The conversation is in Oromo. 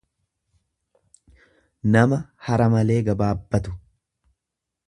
nama hara malee gabaabbatu.